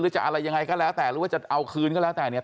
จะอะไรยังไงก็แล้วแต่หรือว่าจะเอาคืนก็แล้วแต่เนี่ย